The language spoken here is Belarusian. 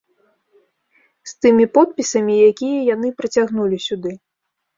З тымі подпісамі, якія яны прыцягнулі сюды.